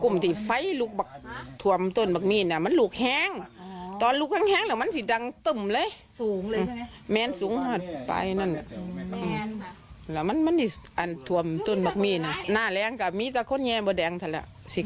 มีแต่พันธุ์มาหน้าแต่ของนั้นไม่เคยเข้าไปในหันจักรเที่ย